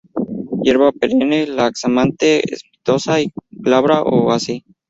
Hierba perenne, laxamente cespitosa, glabra o casi.